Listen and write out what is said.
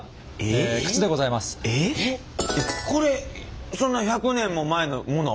これそんな１００年も前のもの？